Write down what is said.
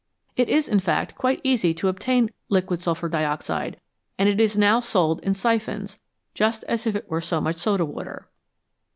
It is, in fact, quite easy to obtain liquid sulphur dioxide, and it is now sold in syphons, just as if it were so much soda water.